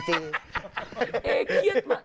เอเครียดมา